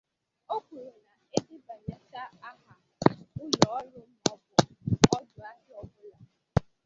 O kwuru na e debànyechaa aha ụlọọrụ maọbụ ọdụ ahịa ọbụla